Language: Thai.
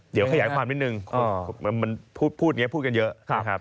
เดี๋ยวขยายความนิดนึงมันพูดนี้พูดกันเยอะนะครับ